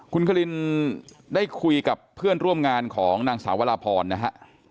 คุณคลินได้คุยกับเพื่อนร่วมงานของนางสาววราพรนะฮะ